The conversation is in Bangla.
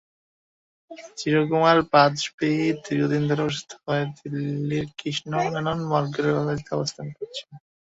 চিরকুমার বাজপেয়ি দীর্ঘদিন ধরে অসুস্থ হয়ে দিল্লির কৃষ্ণ মেনন মার্গের বাড়িতে অবস্থান করছেন।